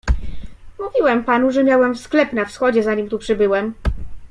"Mówiłem panu, że miałem sklep na Wschodzie, zanim tu przybyłem."